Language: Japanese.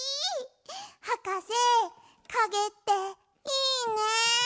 はかせかげっていいね！